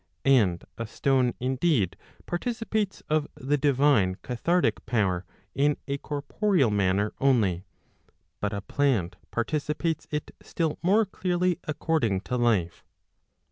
And a stone indeed participates of the divine cathartic power in a corporeal manner only. ' But a plant participates it still more clearly according to life.